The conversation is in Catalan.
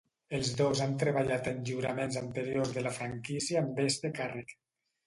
Els dos han treballat en lliuraments anteriors de la franquícia amb este càrrec.